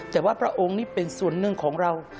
แต่ว่าพระองค์นี่เป็นส่วนหนึ่งของเรา